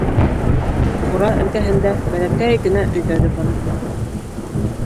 Ҡура эргәһендә бәләкәй генә өйҙәре бар.